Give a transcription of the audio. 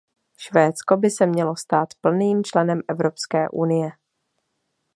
Švédsko by se mělo stát plným členem Evropské unie.